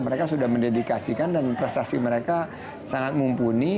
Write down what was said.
mereka sudah mendedikasikan dan prestasi mereka sangat mumpuni